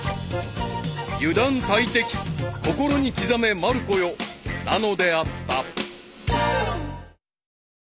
［油断大敵心に刻めまる子よなのであった］